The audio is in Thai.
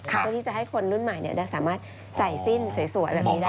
เพื่อที่จะให้คนรุ่นใหม่ได้สามารถใส่สิ้นสวยแบบนี้ได้